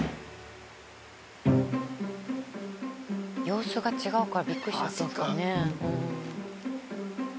様子が違うからびっくりしちゃったんですかね？